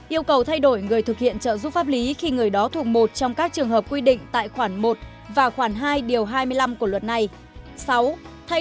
hai yêu cầu thay đổi người thực hiện trợ giúp pháp lý khi người đó thuộc một trong các trường hợp quy định tại khoản một và khoản hai điều hai mươi năm của luật này